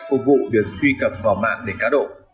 phục vụ việc truy cập vào mạng để cá độ